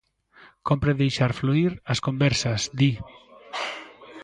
Cómpre deixar "fluír" as conversas, di.